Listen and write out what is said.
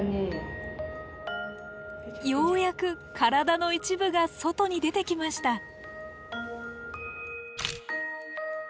ようやく体の一部が外に出てきました。